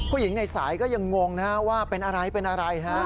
ผู้หญิงในสายยังงงนะว่าเป็นอะไร